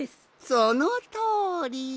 そのとおり。